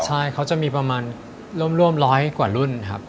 ใช่เขาจะมีประมาณร่วมร้อยกว่ารุ่นครับ